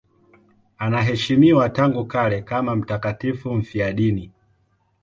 Anaheshimiwa tangu kale kama mtakatifu mfiadini.